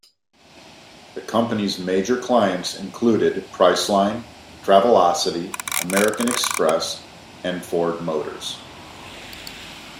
The company's major clients included Priceline, Travelocity, American Express, and Ford Motors.